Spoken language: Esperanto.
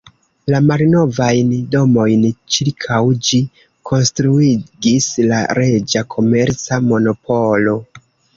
La malnovajn domojn ĉirkaŭ ĝi konstruigis la reĝa komerca monopolo.